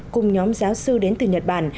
cùng nhóm giáo sư đến từ nhật bản